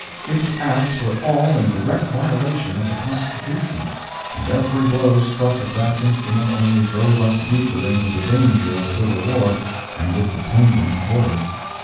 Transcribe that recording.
Its acts were all in direct violation of the Constitution, and every blow struck at that instrument only drove us deeper into the danger of civil war and its attendant horrors.